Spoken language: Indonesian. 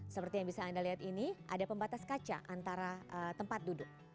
seperti yang bisa anda lihat ini ada pembatas kaca antara tempat duduk